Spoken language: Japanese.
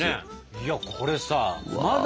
いやこれさまだ